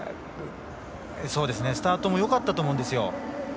スタートもよかったと思うんですよ。